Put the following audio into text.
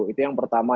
itu yang pertama